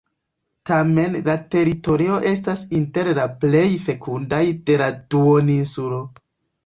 Tamen la teritorio estas inter la plej fekundaj de la duoninsulo.